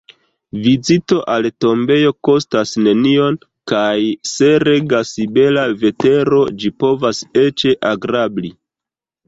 Vizito al tombejo kostas nenion kaj, se regas bela vetero, ĝi povas eĉ agrabli.